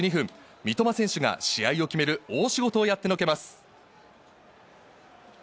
三笘選手が試合を決める大仕事をやってのけます。